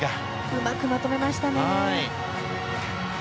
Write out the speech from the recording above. うまくまとめましたね。